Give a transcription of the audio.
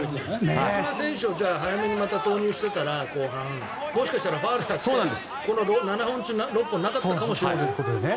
比江島選手を後半早めに投入していたらもしかしたらファウル出して７本中６本がなかったかもしれないね。